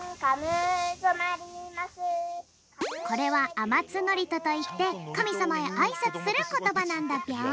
これは「あまつのりと」といってかみさまへあいさつすることばなんだぴょん。